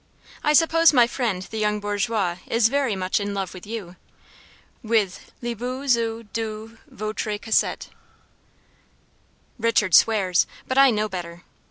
"I suppose my friend the young bourgeois is very much in love with you? With 'les beaux yeux de votre cassette,' Richard swears; but I know better.